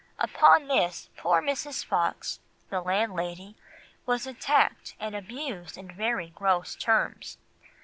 Upon this poor Mrs. Fox [the landlady] was attacked and abused in very gross terms.